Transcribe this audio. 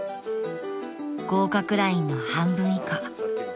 ［合格ラインの半分以下］